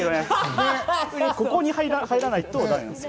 ここに入らないとだめなんです。